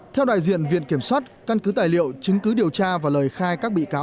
theo đại diện viện kiểm soát căn cứ tài liệu chứng cứ điều tra và lời khai các bị cáo